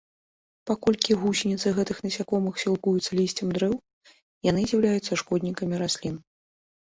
Паколькі гусеніцы гэтых насякомых сілкуюцца лісцем дрэў, яны з'яўляюцца шкоднікамі раслін.